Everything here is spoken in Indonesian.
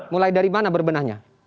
mulai dari mana berbenahnya